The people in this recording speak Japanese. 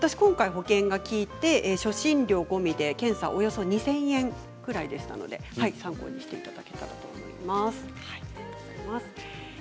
保険が利いて初診料込みで検査はおよそ２０００円ぐらいでしたので参考にしていただけたらと思います。